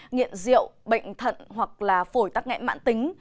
nghiện rượu bệnh thận hoặc là phổi tắc nghẽn mãn tính